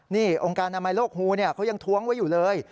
นี่องค์การอนามัยโลกฮูเขายังท้วงไว้อยู่เลย